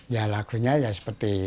ya lagunya ya seperti